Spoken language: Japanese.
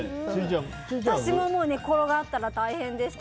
私も寝っ転がったら大変でした。